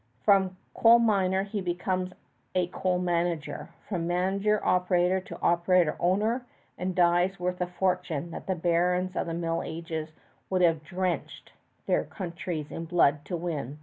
From coal miner he becomes coal manager, from manager {xi} operator, from operator owner, and dies worth a fortune that the barons of the Middle Ages would have drenched their countries in blood to win.